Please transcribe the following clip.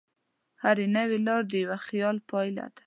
هره نوې لار د یوه خیال پایله ده.